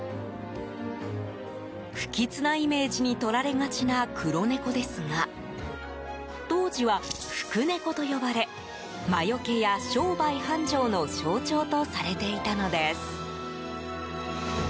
不吉なイメージにとられがちな黒猫ですが当時は福猫と呼ばれ魔除けや商売繁盛の象徴とされていたのです。